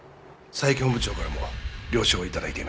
佐伯本部長からも了承を頂いていました。